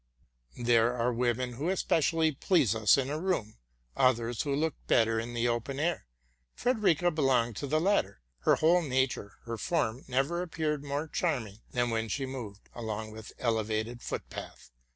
There are women who especially please us in a room, others who look better in the open air. Frederica belonged to the latter. Her whole nature, her form, never appeared more charming than when she moved along an elevated footpath.